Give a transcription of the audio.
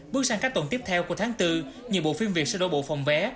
bước sang các tuần tiếp theo của tháng bốn nhiều bộ phim việt sẽ đổ bộ phòng vé